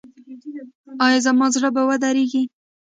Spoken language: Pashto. ایا زما زړه به ودریږي؟